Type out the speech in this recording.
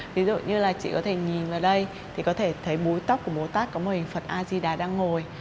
ví dụ như là chị có thể nhìn vào đây thì có thể thấy bối tóc của bồ tát có một hình phật a di đà đang ngồi